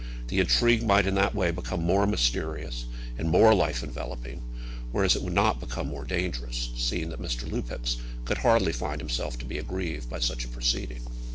The intrigue might in that way become more mysterious, and more life enveloping; whereas it would not become more dangerous, seeing that Mr. Lupex could hardly find himself to be aggrieved by such a proceeding.